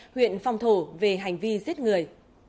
huyện phong thổ về hành vi giết người